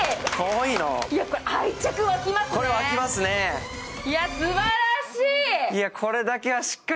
いや、すばらしい！